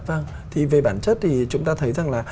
vâng thì về bản chất thì chúng ta thấy rằng là